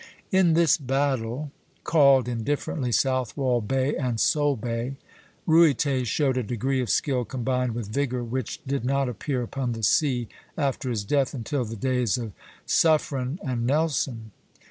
In this battle, called indifferently Southwold Bay and Solebay, Ruyter showed a degree of skill combined with vigor which did not appear upon the sea, after his death, until the days of Suffren and Nelson.